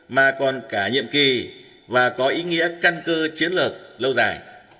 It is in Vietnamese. mà còn cả nhiệm kỳ và có ý nghĩa căn cơ chiến lược lâu dài